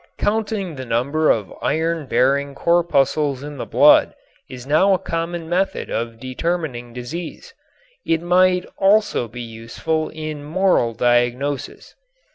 Counting the number of iron bearing corpuscles in the blood is now a common method of determining disease. It might also be useful in moral diagnosis.